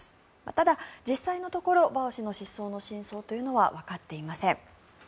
ただ、実際のところバオ氏の失踪の真相というのはわかっていません。